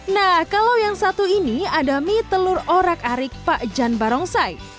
nah kalau yang satu ini ada mie telur orak arik pak jan barongsai